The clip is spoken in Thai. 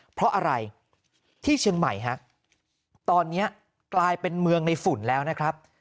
เพราะอะไรที่เชียงใหม่ฮะตอนนี้กลายเป็นเมืองในฝุ่นแล้วนะครับ